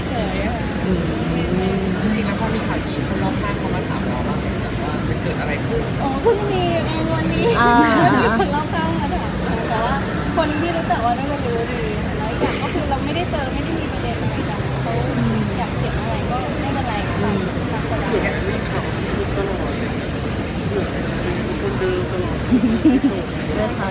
จริงแล้วห้องนี้ขายอีกคนรอบข้าง